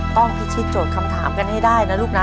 พิธีโจทย์คำถามกันให้ได้นะลูกนะ